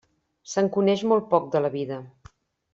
Se'n coneix molt poc de la vida.